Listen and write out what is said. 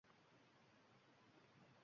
deb erini holi-joniga qo`ymay uyg`otardi